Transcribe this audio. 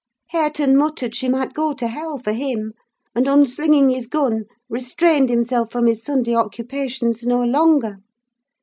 "Hareton muttered she might go to hell, for him! and unslinging his gun, restrained himself from his Sunday occupations no longer.